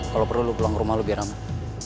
kalo perlu lo pulang ke rumah lo biar aman